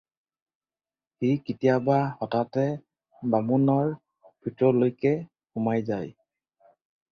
সি কেতিয়াবা হঠাতে বামুণৰ ভিতৰলৈকে সোমাই যায়।